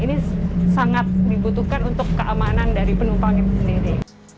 ini sangat dibutuhkan untuk keamanan dari penumpang itu sendiri